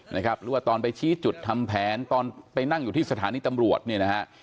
หรือว่าตอนไปชี้จุดทำแผนตอนไปนั่งอยู่ที่สถานีตำรวจเนี่ยนะฮะ